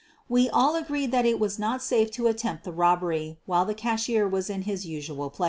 We all agreed that it was not safe to attempt the robbery while the cashier was in his usual place.